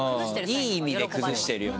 いい意味で崩してるよね。